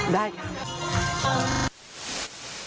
ได้ค่ะ